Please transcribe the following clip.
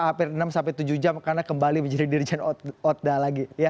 hampir enam sampai tujuh jam karena kembali menjadi dirjen otda lagi